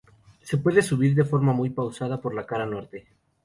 Se puede subir de forma muy pausada por la cara norte.